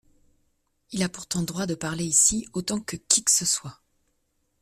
Il a pourtant droit de parler ici autant que qui que ce soit